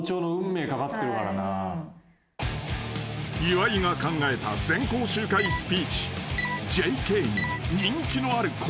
［岩井が考えた全校集会スピーチ］［ＪＫに人気のある校長になりたい］